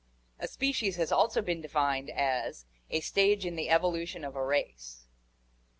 A species has also been defined as "a stage in the evolution of a race."